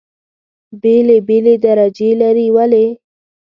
بېلې بېلې درجې لري. ولې؟